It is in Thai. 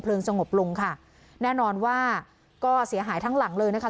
สงบลงค่ะแน่นอนว่าก็เสียหายทั้งหลังเลยนะคะ